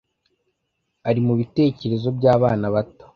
ari mubitekerezo byabana bato-